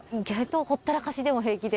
放ったらかしでも平気で。